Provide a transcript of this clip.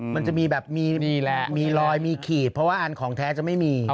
มันจะมีแบบมีรอยมีขีดเพราะว่าอันของแท้จะไม่มี